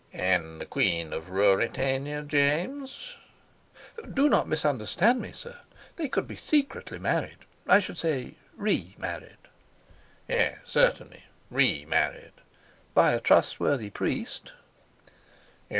"And the Queen of Ruritania, James?" "Do not misunderstand me, sir. They could be secretly married. I should say re married." "Yes, certainly, re married." "By a trustworthy priest."